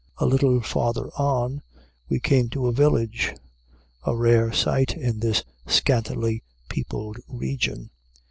A little farther on, we came to a village, a rare sight in this scantily peopled region.